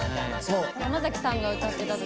山崎さんが歌ってた時。